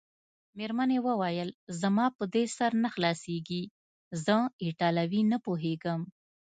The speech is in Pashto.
مېرمنې وویل: زما په دې سر نه خلاصیږي، زه ایټالوي نه پوهېږم.